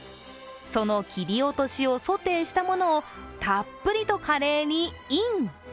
その切り落としをソテーしたものをたっぷりとカレーにイン。